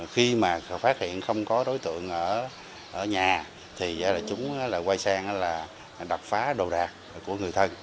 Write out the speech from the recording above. khi mà phát hiện không có đối tượng ở nhà thì chúng là quay sang là đập phá đồ đạc của người thân